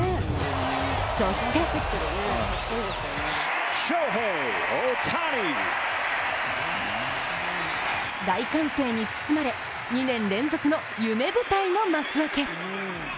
そして大歓声に包まれ、２年連続の夢舞台の幕開け。